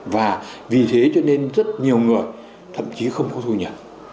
và vì thế cho nên rất nhiều người thậm chí không có thu nhập